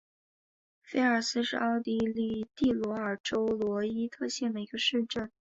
菲尔斯是奥地利蒂罗尔州罗伊特县的一个市镇。